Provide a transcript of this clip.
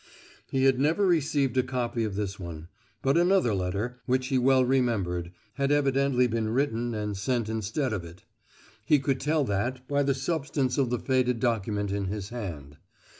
He had never received a copy of this one, but another letter, which he well remembered, had evidently been written and sent instead of it; he could tell that by the substance of the faded document in his hand.